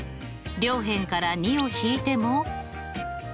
両辺から２を引いても。